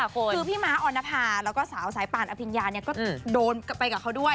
คือพี่ม้าออนภาแล้วก็สาวสายป่านอภิญญาเนี่ยก็โดนไปกับเขาด้วย